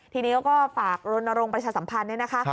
ทีนี้ก็ฝากรณรงค์ประชาสัมพันธ์นะคะ